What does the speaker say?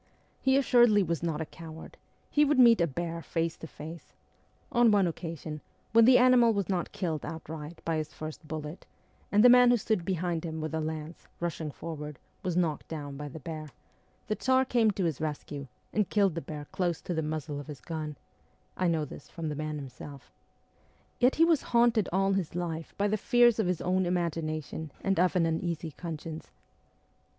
He assuredly was not a coward ; he would meet a bear face to face ; on one occasion, when the animal was not killed outright by his first bullet, and the man who stood behind him with a lance, rushing forward, was knocked down by the bear, the Tsar came to his rescue, and killed the bear close to the muzzle of his gun (I know this from the man himself) ; yet he was haunted all his life by ST. PETERSBURG 25 the fears of his own imagination and of an uneasy conscience.